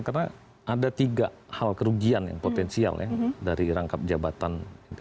karena ada tiga hal kerugian yang potensial ya dari rangkap jabatan